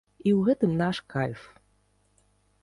І ў гэтым наш кайф.